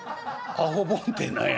アホボンって何や」。